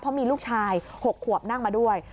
เพราะมีลูกชาย๖ขวบนั่งมาด้วย